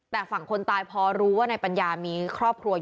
แต่ฝั่งคนตายพอรู้ว่าในภรรยามีครอบครัว